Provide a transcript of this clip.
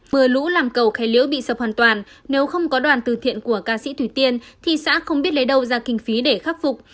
mưa lũ làm cầu khe liễu bị sập hoàn toàn nếu không có đoàn từ thiện của ca sĩ thủy tiên thì xã không biết lấy đâu ra kinh phí để khắc phục